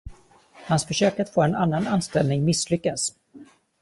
Hans försök att få en annan anställning misslyckas.